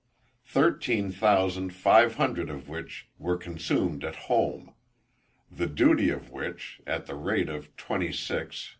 Thirteen thousand five hundred of which were consumed at home; the duty of which, at the rate of 26_l._ 1_s.